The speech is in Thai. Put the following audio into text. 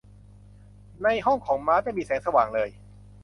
ในห้องของมาร์ธไม่มีแสงสว่างเลย